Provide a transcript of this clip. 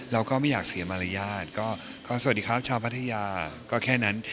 เราก็ไม่อยากเสียมารยาทก็สวัสดีครับชาวพัทยาก็แค่นั้น